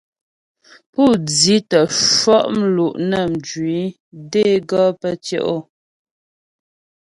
Pú di tə́ cwɔ' mlu' nə́ mjwi də é gɔ pə́ tyɛ' o.